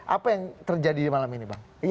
apa yang terjadi malam ini bang